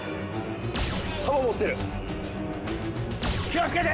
球持ってる気をつけて！